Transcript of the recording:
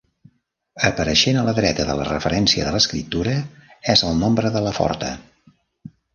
Apareixent a la dreta de la referència de l'escriptura és el nombre de la forta.